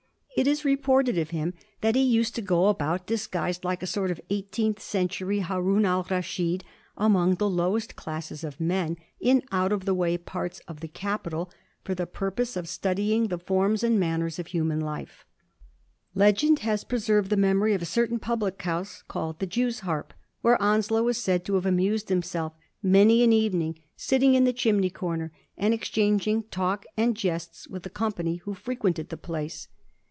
It is reported of him that he used to go about disguised, like a sort of eighteenth century Haroun al Raschid, amongst the lowest classes of men, in out of the way parts of the capital, for the purpose of studying the forms and manners of human life. Legend has preserved the memory of a certain public house, called ^ The Jews' Harp,' where Onslow is said to have amused himself many an evening sitting in the chimney comer and exchanging talk and jests with the company who firequented the place.